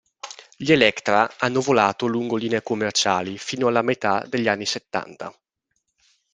Gli Electra hanno volato lungo linee commerciali fino alla metà degli anni settanta.